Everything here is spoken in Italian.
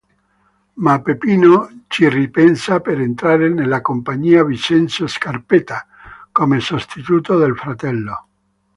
Ma Peppino ci ripensa per entrare nella Compagnia Vincenzo Scarpetta come sostituto del fratello.